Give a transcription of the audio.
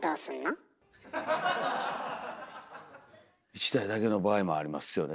１台だけの場合もありますよね